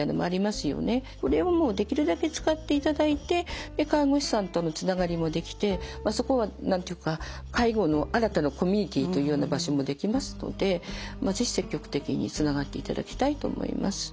これをもうできるだけ使っていただいて介護士さんとのつながりもできてそこは何て言うか介護の新たなコミュニティというような場所もできますので是非積極的につながっていただきたいと思います。